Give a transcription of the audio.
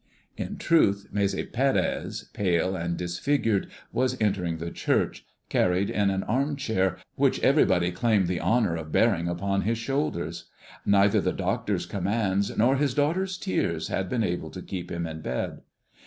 In truth, Maese Pérez, pale and disfigured, was entering the church, carried in an armchair, which everybody claimed the honor of bearing upon his shoulders. Neither the doctor's commands nor his daughter's tears had been able to keep him in bed.